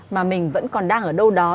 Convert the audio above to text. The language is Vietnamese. mà mình vẫn còn đang ở đâu đó